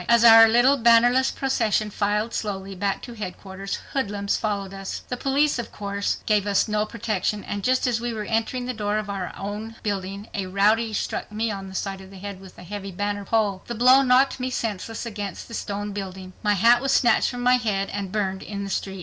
As our little, bannerless procession filed slowly back to headquarters, hoodlums followed us. The police of course gave us no protection and just as we were entering the door of our own building a rowdy struck me on the side of the head with a heavy banner pole. The blow knocked me senseless against the stone building; my hat was snatched from my head, and burned in the street.